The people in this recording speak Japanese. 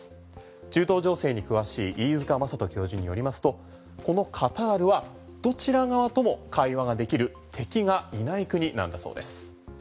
中東情勢に詳しい飯塚正人教授によりますとこのカタールはどちら側とも会話ができる敵がいない国なんだそうです。